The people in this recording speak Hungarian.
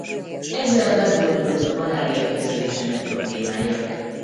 Ezzel megoldódott a malária kezelésének problémája.